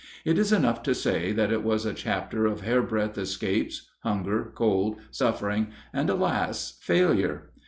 It is enough to say that it was a chapter of hairbreadth escapes, hunger, cold, suffering, and, alas! failure.